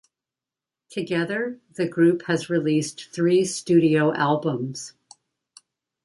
Together the group has released three studio albums.